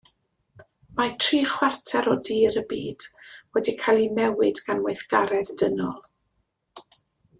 Mae tri chwarter o dir y byd wedi cael ei newid gan weithgaredd dynol.